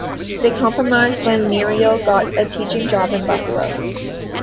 They compromised, when Muriel got a teaching job in Buffalo.